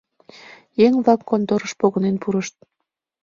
Еҥ-влак конторыш погынен пурышт.